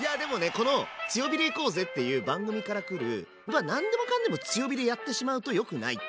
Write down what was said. この「強火で行こうぜ！」っていう番組から来る何でもかんでも強火でやってしまうとよくないっていう。